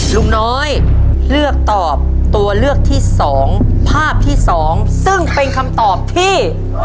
ลุงน้อยเลือกตอบตัวเลือกที่สองภาพที่๒ซึ่งเป็นคำตอบที่